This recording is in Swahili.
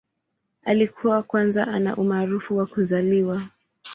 Alikuwa kwanza ana umaarufu wa kuzaliwa.